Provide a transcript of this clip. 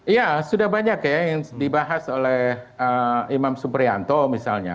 ya sudah banyak ya yang dibahas oleh imam suprianto misalnya